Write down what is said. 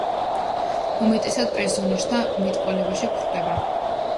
უმეტესად პერსონაჟთა მეტყველებაში გვხვდება.